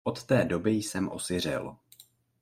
Od té doby jsem osiřel.